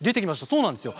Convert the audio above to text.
そうなんですよ。